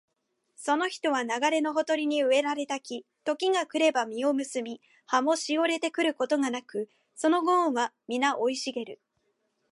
その人は流れのほとりに植えられた木、時が来れば実を結び、葉もしおれることがなく、その業はみな生い茂る